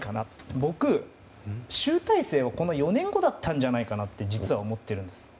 僕、集大成はこれからの４年後だったんじゃないかと思っているんです。